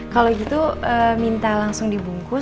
kalau gitu minta langsung dibungkus